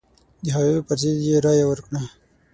د هغوی پر ضد یې رايه ورکړه.